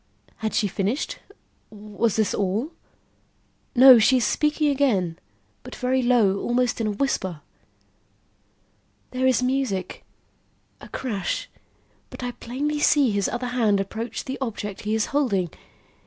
Had she finished? Was this all? No; she is speaking again, but very low, almost in a whisper. "There is music a crash but I plainly see his other hand approach the object he is holding.